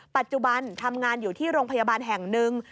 ปัจจุบันทำงานอยู่ที่โรงพยาบาลแห่งหนึ่ง